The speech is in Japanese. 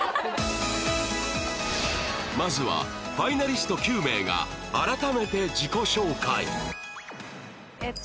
まずはファイナリスト９名が改めて自己紹介えっと